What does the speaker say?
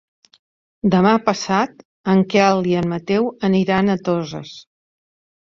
Demà passat en Quel i en Mateu aniran a Toses.